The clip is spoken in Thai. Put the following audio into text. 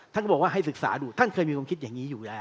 ท่านก็บอกว่าให้ศึกษาดูท่านเคยมีความคิดอย่างนี้อยู่แล้ว